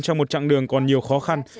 trong một chặng đường còn nhiều khó khăn